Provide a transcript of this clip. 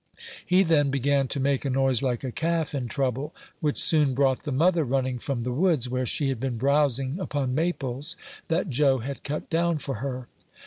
He then began to make a noise like a calf in trouble, which soon brought the mother running from the woods, where she had been browsing upon maples that Joe had cut down for her.